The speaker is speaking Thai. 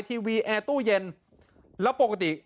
ทีวีแอร์ตู้เย็นแล้วปกติ